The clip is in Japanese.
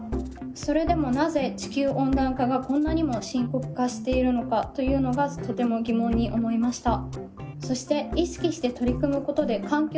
それでもなぜ地球温暖化がこんなにも深刻化しているのかというのがとても疑問に思いました。